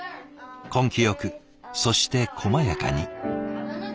根気よくそしてこまやかに。